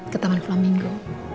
ke taman flamingo